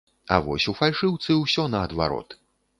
А вось у фальшыўцы ўсё наадварот.